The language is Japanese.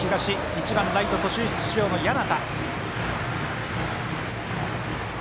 １番ライト、途中出場の簗田。